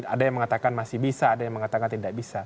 ada yang mengatakan masih bisa ada yang mengatakan tidak bisa